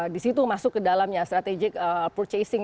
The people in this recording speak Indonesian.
di situ masuk ke dalamnya strategic purchasing